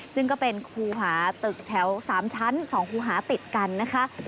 ซึ่งก็เป็นครูหาตึกแถว๓ชั้น๒คูหาติดกันนะคะ